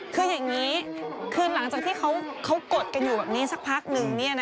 คืออย่างนี้หลังจากที่เขากดกันอยู่สักพักหนึ่ง